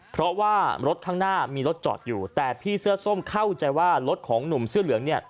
เพราะว่ารถข้างหน้ามีรถจอดอยู่แต่พี่เสื้อส้มเข้าใจว่ารถของหนุ่มเสื้อเหลืองเนี่ย